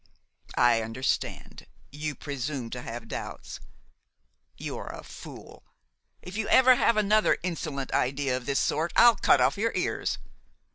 " "I understand–you presume to have doubts. You are a fool; if you ever have another insolent idea of this sort I'll cut off your ears.